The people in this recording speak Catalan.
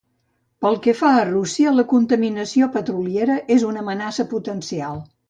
Pel que fa a Rússia, la contaminació petroliera és una amenaça potencial.